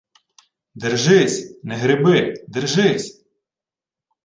— Держись!.. Не греби — держись!..